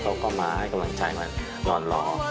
เขาก็มาให้กำลังใจมานอนรอ